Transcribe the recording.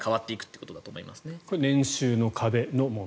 これが年収の壁の問題。